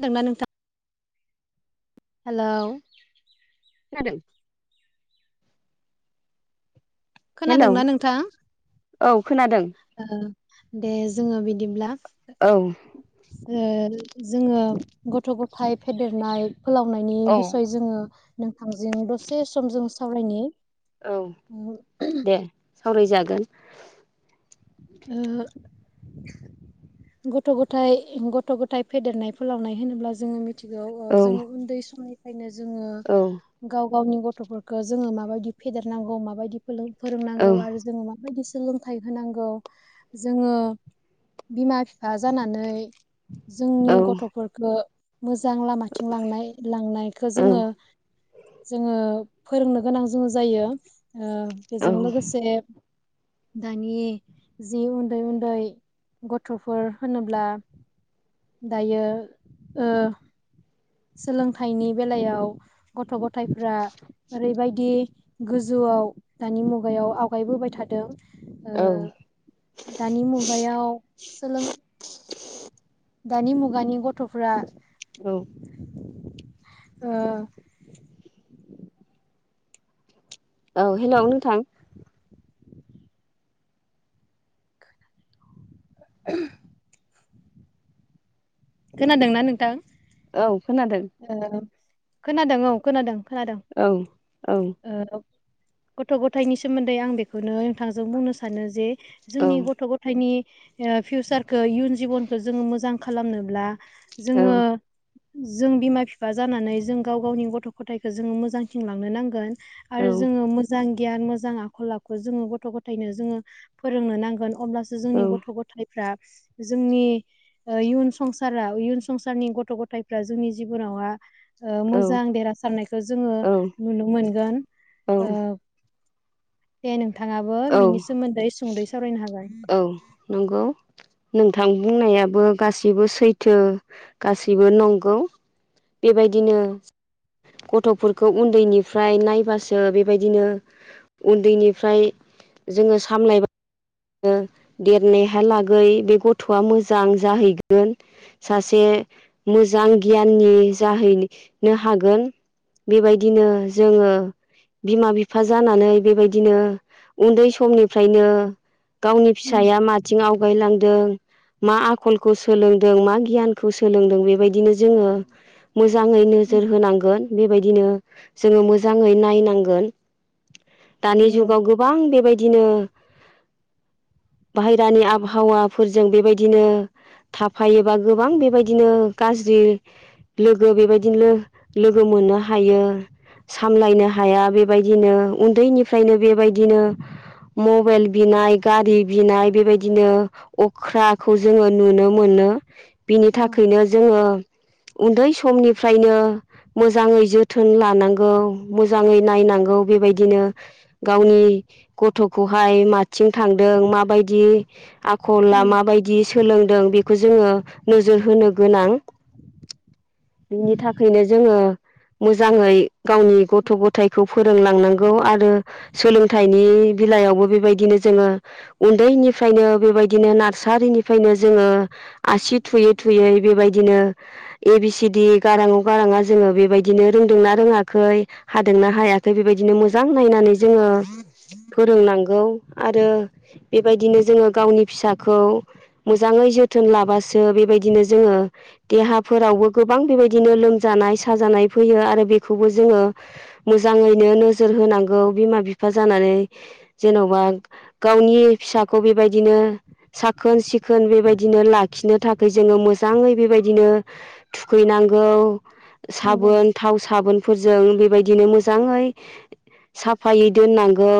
खोनादों ना नोंथां हेलौ। खोनादों? हेलौ खोनादों ना नोंथां? औ खोनादों ओ दे जोङो बिदिब्ला। औ। ओ जोङो गथ' गथाय फेदेरनाय फोलावनायनि बिसय जोङो नोंथांजों दसे सम जों सावरायनि। ओहो सावराय जागोन ओ हो गथ' गथाय गथ' गथाय फेदेरनाय फोलावनाय होनोब्ला जोङो मिथ थिगौ औ जोङो उन्दै समनिफ्रायनो जोङो औ गाव गावनि गथ'फोरखौ जोङो माबायदि फेदेरनांगौ माबायदि औ फोरोंनांगौ आरो जोङो माबायदि सोलोंथाइ होनांगौ जोङो बिमा बिफा जानानै जोंनि औ गथ'फोरखौ मोजां लामाथिं लांनाय लांनायखो जोङो औ जोङो फोरोंनो गोनां जोङो जायो ओ बेजों लोगोसे दानि जि उन्दै उन्दै गथ'फोर होनोब्ला दायो ओ सोलोंथाइनि बेलायाव गथ' गथायफ्रा ओरैबायदि गोजौआव दानि मुगायाव आवगायबोबाय थादों। ओ औ दानि मुगायाव सोलों दानि मुगानि गथ'फ्रा औ ओ औ हेलौ नोंथां। [unintelligible] खोनादोंना नोंथां। औ खोनादों। ओ खोनादों औ खोनादों खोनादों औ औ ओ ओब गथ' गथायनि सोमोन्दै आं बेखौनो थाजों बुंनो सानो जे औ जोंनि गथ' गथायनि फिउसारखौ इयुन जिबनखौ जोङो मोजां खालामनोब्ला जोङो औ औ औ जों बिमा फिफा जानानै जों गाव गावनि गथ' गथायखो जोङो मोजांथिं लांनो नांगोन। आरो जोङो मोजां गियान मोजां आखल आखु जोङो गथ' गथायनो जोङो फोरोंनो नांगोन। अब्लासो जोंनि गथ' गथफ्रा जोंनि ओ इउस संसारा इयुन संसारनि गथ' गथायफ्रा जोंनि जिबनावहा ओ मोजां देरहासारनायखौ जोङो नुनो मोनगोन ओ दे नोंथाङाबो बिनि सोमोन्दै सुंदै सावरायनो हागोन। औ नंगौ। नोंथां बुंनायाबो गासिबो सैथो गासैबो नंगौ। बेबायदिनो गथ'फोरखौ उन्दैनिफ्राय नायबासो बेबायदिनो उन्दैनिफ्राय जोङो सामलायबा ओ देरनाय हालागै बे गथ'आ मोजां जाहैगोन सासे मोजां गियाननि जाहैनो हागोन। बेबायदिनो जोङो बिमा बिफा जानानै बेबायदिनो उन्दै समनिफ्रायनो गावनि उम फिसाया माथिं आवगायलांदों मा आखलखौ सोलोंदों मा गियानखौ सोलोंदों बेबायदिनो जोङो मोज जाङै उम नोजोर होनांगोन बेबायदिनो जोङो मोजाङै नायनांगोन। दानि नंगौ जुगाव गोबां बेबायदिनो बाहेरानि आबहावाफोरजों बेबायदिनो थाफायोबा गोबां बेबायदिनो गाज्रि लोगो बेबायदिनो लोगोम मोननो हायो। सामलायनो हाया बेबायदिनो उन्दैनिफ्रायनो बेबायदिनो मबेइल बिनाय गारि बिनाय बेबायदिनो अख्राखौ जोङो नुनो मोनो। बिनि औ थाखायनो जोङो उन्दै समनिफ्रायनो मोजाङै जोथोन लानांगौ मोजाङै नायनांगौ बेबायदिनो गावनि गथ'खौहाय माथिं थांदों माबायदि आखला उम माबायदिस सोलोंदों बेखौ जोङो नोजोर होनो गोनां उम बिनि थाखायनो जोङो मोजाङै गावनि गथ' गथायखौ फोरोंलांनांगौ आरो सोलोंथाइनि बिलायावबो बेबायदिनो जोङो उन्दैनिफ्रायनो बेबायदिनो नार्सारिनिफ्रायनो जोङो आसि थुयै थुयै बेबायदिनो ए बि सि गाराङअ गारांआ जोङो बेबायदिनो रोंदोंना रोङाखै हादोंना हायाखै बेबायदिनो मोजां नायनानै जोङो फोरोंनांगौ आरो बेबायदिनो जोङो गावनि फिसा खौ मोजाङै जोथोन लाबासो बेबायदिनो जोङो देहाफोरावबो गोबां बेबायदिनो लोमजानाय साजानाय फैयो आरो बेखौबो जोङो मोजाङैनो नोजोर होनांगौ बिमा बिफा जानानै जेन'बा गावनि फिसाखौ बेबायदिनो साख खोन सिखोन बेबायदिनो लाखिनो थाखाय जोङो मोजाङै बेबायदिनो थुखैनांगौ नंगौ साबोन थाव साबोन फोरजों बेबायदिनो मोजाङै साफायै दोननांगौ।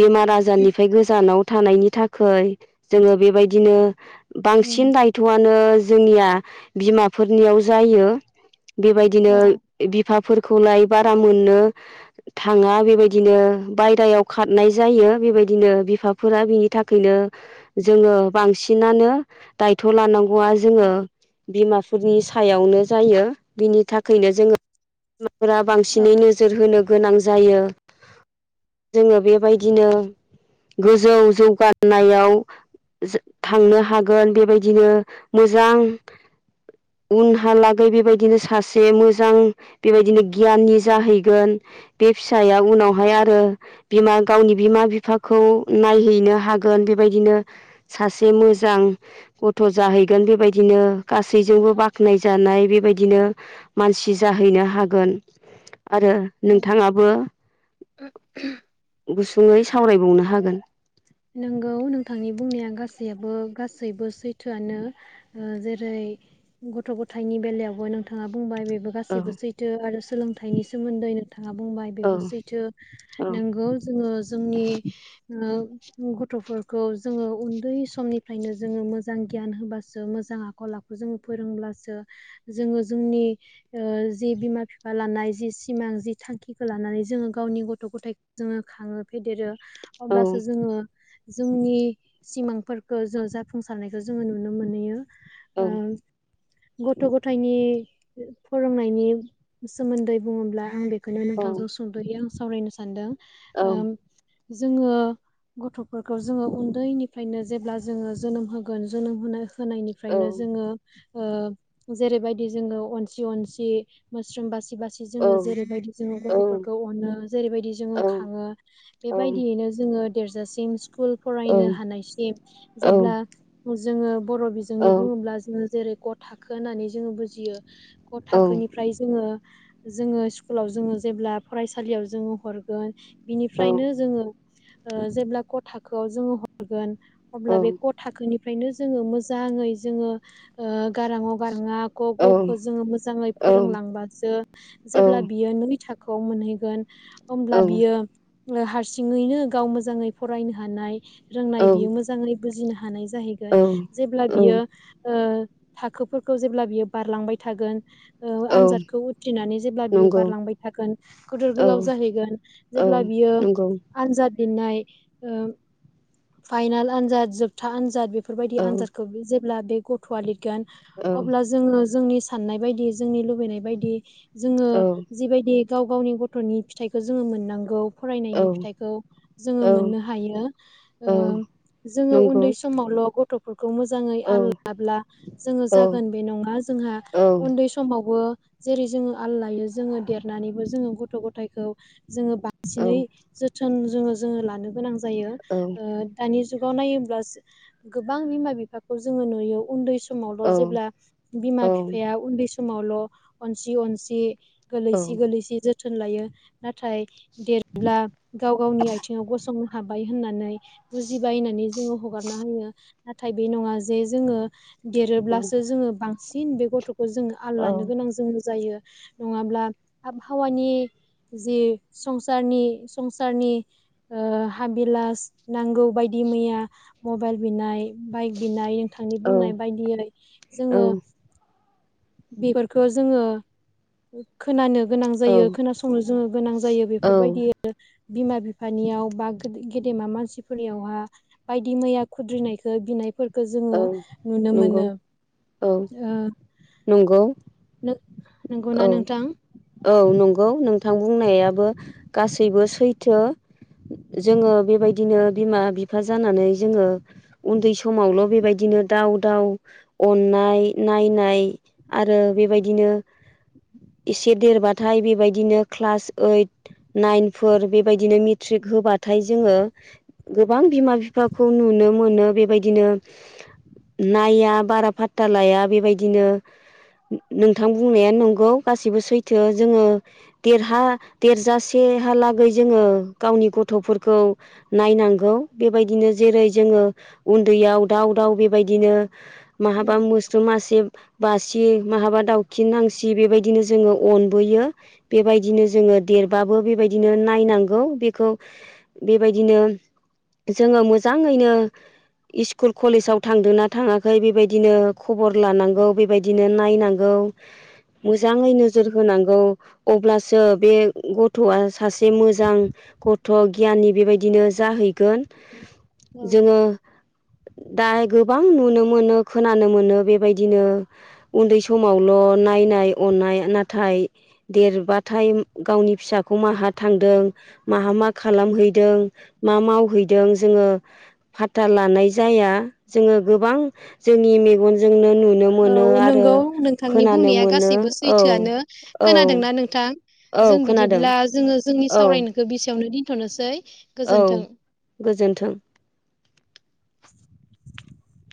बेमार आजारनिफ्राय गोजानाव थानायनि थाखाय जोङो बेबायदिनो बांसिन उम दायथ'आनो जोंनिया बिमाफोरनियाव जायो। बेबायदिनो औ बिफाफोरखौलाय बारा मोननो थाङा बेबायदिनो बायेरायाव खारनाय जायो बेबायदिनो बिफाफोरा बिनि थाखायनो जोङो बांसिनानो दायथ' लानांगौआ औ जोङो बिमाफोरनि सायावनो जायो बिनि थाखायनो जोङो फोरा औ बांसिनै नोजोर होनो गोनां जायो। जोङो बेबायदिनो गोजौ जौगानायाव थांनो हागोन बेबायदिनो मोजां [inaudible] उनहालागै बेबायदिनो सासे मोजां बेबायदिनो गियाननि जाहैगोन। बे फिसाया उनावहाय आरो बिमा गावनि बिमा बिफाखौ नायहैनो हागोन। बेबायदिनो सासे मोजां गथ' जाहैगोन बेबायदिनो गासैजोंबो बाख्नाय जानाय बेबायदिनो मानसि जाहैनो हागोन। आरो औ नोंथाङाबो गुसुङै सावरायबावनो हागोन। नंगौ नोंथांनि बुंनाया गासैयाबो गासैबो सैथोआनो ओ जेरै गथ' गथायाइनि बेलायावबो नोंथाङा बुंबाय बेबो औ गासैबो सैथो आरो सोलोंथाइनि सोमोन्दै नों थाङा बुंबाय औ बेबो सैथो औ नोंगौ जोङो जोंनि ओ गथ'फोरखौ जोङो उन्दै समनिफ्रायनो जोङो मोजां गियान होबासो मोजां आखल आखु जों फोरोंसो जोङो जोंनि जि बिमा बिफा लानाय सिमां जि थांखिखौ लानानै जोङो गावनि गथ' गथाय जोङो खाङो फेदेरो औ अब्लासो जोङो जोंनि सिमांफोरखौ जों जाफुंसारनायखौ जोङो नुनो मोनहैयो। औ ओ गथ' गथायनि फोरोंनायनि सोमोन्दै बुङोब्ला आं बे खौनो औ नोंथांजों सुंद'यै आं सावरायनो सानदों ओ जोङो गथ'फोरखौ जोङो उन्दैनिफ्रायनो जेब्ला जोङो जोनोम होगोन जोनोम होनो औ होनायनिफ्रायनो जोङो ओ जेरैबायदि जोङो अनसि अनसि मोस्रोम बास्रि बासि जोङो औ जेरैबायदि जोङो औ नंगौ गथ'फोरखौ अनो जेरैबायदि जोङो खाङो बेबायदियैनो जोङो देरजासिम स्कुल फरायनो हानायसिम जेब्ला जोङो बर' बिजोंनि बुङोब्ला जोङो जेरै क थाखो होननानै जोङो बुजियो क थाखोनिफ्राय जोङो जोङो स्कुलाव जोङो जेब्ला फरायसालियाव जोङो हरगोन बिनिफ्रायनो जोङो ओ जेब्ला क थाखोआव जोङो हरगोन अब्ला बे क थाखोनिफ्रायनो जोङो मोजाङै जोङो ओ गारां अ गारां आ क ख खौ जोङो मोजाङै फोरोंलांबासो जेब्ला बियो नै थाखो खौ मोनहैगोन हब्ला बियो ओ हारसिङैनो गाव मोजाङै फरायनो हानाय रोंनाय बियो मोजाङै बुजिनो हानाय जाहैगोन, जेब्ला बियो ओ थाखोफोरखौ जेब्ला बियो बारलांबाय थागोन ओ आनजादखौ उथ्रिनानै जेब्ला बियो बारलांबाय थागोन गिदोर गोलाव जाहैगोन जेब्ला बि बियो आनजाद नाय ओ फाइनाल आन्जाद जोबथा आनजाद बेफोरबायदि आन्जादखौ अब्ला बे गथ'आ लिरगोन अब्ला जोङो जोंनि साननाय बायदि जोंनि लुबैनाय बायदि जोङो जिबायदि गाव गावनि गथ'नि फिथाइखौ जोङो मोननांगौ फरायनायनि फिथाइखौ जोङो मोननो हायो। ओ जोङो उन्दै समावल' गथ'फोरखौ खौ मोजाङै आललाब्ला जोङो जागोन बे नङा जोंहा उन्दै समावबो जेरै जोङो आल लायो जोङो देरनानैबो जोङो गथ' गथायखौ जोङो बांसिनै जोथोन जोङो जोङो लानो गोनां जायो। ओ दानि जुगाव नायोबा गोबां बिमा बिफाखौ जोंङो नुयो उन्दै स समावल' जेब्ला बिमा बिफाया उन्दै समावल' अनसि अनसि गोलैसि गोलैसि जोथोन लायो नाथाय देरब्ला गाव गावनि आथिङाव गसं संनो हाबाय होननानै बुजिबाय होननानै जोङो हगारना होयो। नाथाय बे नङा जे जोङो देरोब्लासो जोङो बांसिन बे गथ'खौ जोङो आल लानो गोनां जों जायो। नङाब्ला आबहावानि जि संसारनि संस सारनि ओ हाबिलास नांगौ बायदि मैया मबाइल बिनाय बाइक बिनाय थांनि बुंनाय बायदियै जोङो बेफोरखौ जोङो खोनानो गोनां जायो खोनासंनो जोङो गोनां जायो बेफोरबायदि बिमा बिफानियाव बा गेदेमा मानसिफोरनियावहा बायदि मैया खुद्रिनायखौ बिनायफोर जोङो नुनो मोनो। औ ओ नंगौ। नंगौना औ नोंथां? औ नंगौ नोंथां बुंनायाबो गासैबो सैथो। जोङो बेबायदिनो बिमा बिफा जानानै जोङो उन्दै समावल' बेबायदिनो दाउ दाउ अननाय नायनाय आरो बेबायदिनो [inaudible] एसे देरबाथाय बेबायदिनो क्लास ओइड नाइनफोर बेबायदिनो मेट्रिक होबाथाय जोङो गोबां बिमा बिफाखौ नुन नो मोनो बेबायदिनो नाया बारा फातता लाया बेबायदिनो नोंथां बुंनाया नंगौ गासिबो सैथो। जोङो देरहा देरजासेहालागै जोङो ओ गावनि गथ'फोरखौ नायनांगौ बेबायदिनो जेरै जोङो उन्दैयाव दउ दाउ बेबायदिनो माहाबा औ मोस्रोम मासे बासि माहाबा दाउ खि नांसि बेबायदिनो जोङो अनबोयो बेबायदिनो जोङो देरबाबो बेबायदिनो नाय नागौ बेखौ बेबायदिनो जोङो मोजाङैनो इस्कुल कलेजाव थांदों ना थाङाखै बेबायदिनो खबर लानांगौ बेबायदिनो नायनांगौ। [inaudible] मोजाङै नोजोर होनांगौ अब्लासो बे गथ'आ सासे मोजां गथ' गियाननि बेबायदिनो जाहैगोन औ जोङो दा गोबां नुनो मोनो खोनानो मोनो बेबायदिनो उन्दै समाव ल' नायनाय अननाय नाथाय देरबाथाय गावनि फिसाखौ माहा थांदों माहा मा खालामहैदों मा मावहैदों जोङो फाथा लानाय जाया जोङो गोबां जोंनि मेगनजोंनो नुनो औ मोनो आरो नंगौ नोंथांनि खोनानो बुंनाया मोनो गासैबो औ सैथोआनो औ खोनादोंना नोंथां औ जों खोनादों बिदिब्ला जोङो जोंनि औ सावरायनायखौ बेसेयावनो दिनथ'नोसै? औ गोजोन्थों। [inaudible]